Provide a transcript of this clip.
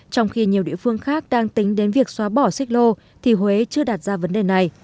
trong khi nhiều địa phương khác đang tính đến việc xóa bỏ xích lô thì huế chưa đặt ra vấn đề này